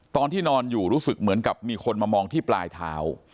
ตอนที่นอนอยู่รู้สึกเหมือนกับมีคนมามองที่ปลายเท้า